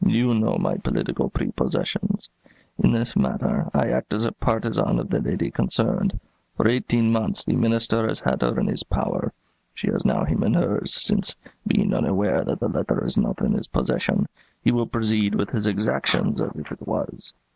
You know my political prepossessions. In this matter, I act as a partisan of the lady concerned. For eighteen months the Minister has had her in his power. She has now him in hers, since, being unaware that the letter is not in his possession, he will proceed with his exactions as if it was.